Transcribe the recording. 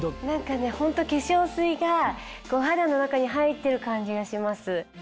何かねホント化粧水がお肌の中に入ってる感じがします。